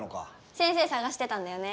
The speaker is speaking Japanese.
先生捜してたんだよね。